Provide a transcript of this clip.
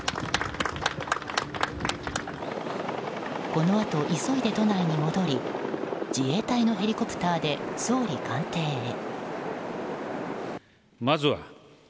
この後、急いで都内に戻り自衛隊のヘリコプターで総理官邸へ。